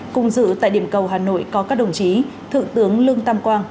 cùng dự tại điểm cầu hà nội có các đồng chí thượng tướng lương tam quang